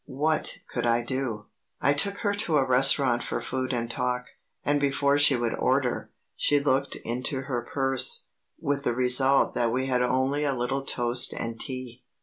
What could I do? I took her to a restaurant for food and talk, and before she would order, she looked into her purse, with the result that we had only a little toast and tea.